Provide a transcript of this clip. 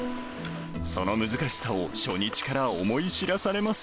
その難しさを初日から思い知らされます。